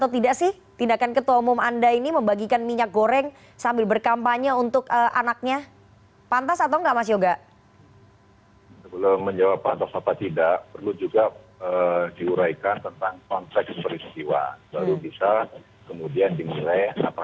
tapi minyak yang dibeli oleh saudara saudara